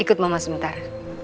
ikut mama sebentar